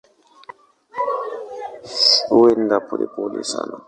Huenda polepole sana.